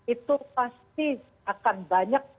itu pasti akan banyak